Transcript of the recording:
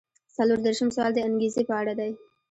څلور دېرشم سوال د انګیزې په اړه دی.